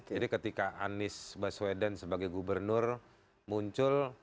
jadi ketika anies baswedan sebagai gubernur muncul